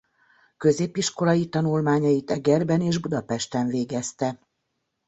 Középiskolai tanulmányait Egerben és Budapesten végezte.